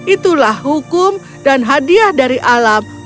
itulah hukum dan hadiah dari alam